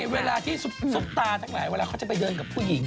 เวลาที่ซุปตาทั้งหลายเวลาเขาจะไปเดินกับผู้หญิง